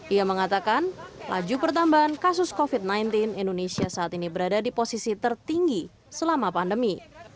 ia mengatakan laju pertambahan kasus covid sembilan belas indonesia saat ini berada di posisi tertinggi selama pandemi